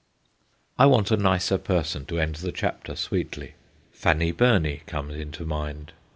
I want a nicer person to end the chapter sweetly. Fanny Burney comes into mind.